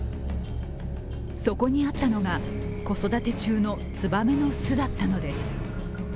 そこにあったのが、子育て中のつばめの巣だったのです。